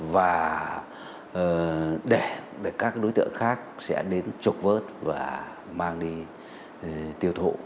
và để các đối tượng khác sẽ đến trục vớt và mang đi tiêu thụ